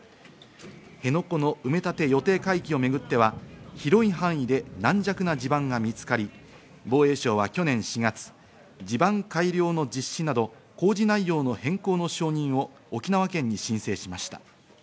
辺野古の埋め立て予定海域をめぐっては、広い範囲で軟弱な地盤が見つかり、防衛省は去年４月、地盤改良の実施など工事内容の変更の承認を沖縄県に申請しました。